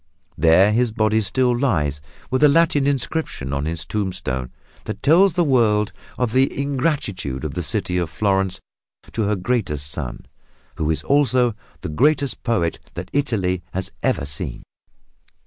There his body still lies, with a Latin inscription on his tombstone that tells the world of the ingratitude of the city of Florence to her greatest son, who is also the greatest poet that Italy has ever seen.